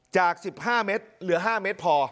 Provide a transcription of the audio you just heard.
จาก๑๕เมตรเหลือ๕เมตรพอ